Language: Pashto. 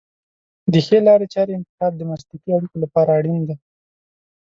د ښې لارې چارې انتخاب د مسلکي اړیکو لپاره اړین دی.